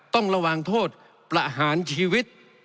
ต้องระวังโทษประหารชีวิต